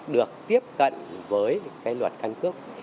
được tiếp cận với luật căn cước